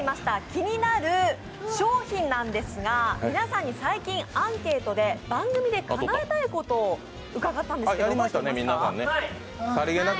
気になる商品なんですが、皆さんに最近アンケートで番組でかなえたいことを伺ったんですけど覚えてますか？